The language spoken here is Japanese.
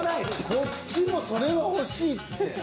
こっちもそれは欲しいって。